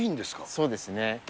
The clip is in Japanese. そうですね。